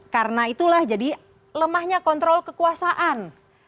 karena itulah jadi lemahnya kontrol kekuasaan